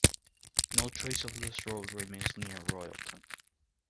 No trace of this road remains near Royalton.